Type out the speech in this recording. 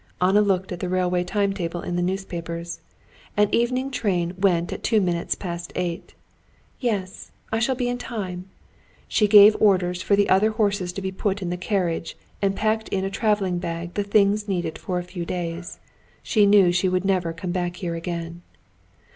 Anna looked at the railway timetable in the newspapers. An evening train went at two minutes past eight. "Yes, I shall be in time." She gave orders for the other horses to be put in the carriage, and packed in a traveling bag the things needed for a few days. She knew she would never come back here again.